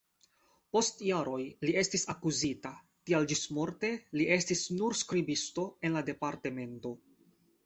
Post jaroj li estis akuzita, tial ĝismorte li estis nur skribisto en la departemento.